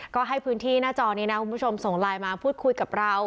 ก็ให้พื้นที่หน้าจอนี้นะคุณผู้ชมส่งไลน์มาพูดคุยกับเรา